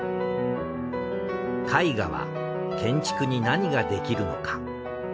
絵画は建築に何ができるのか？